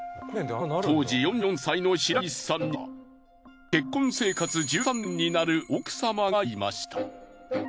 当時４４歳の白石さんには結婚生活１３年になる奥様がいました。